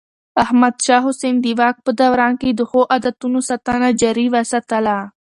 احمد شاه حسين د واک په دوران کې د ښو عادتونو ساتنه جاري وساتله.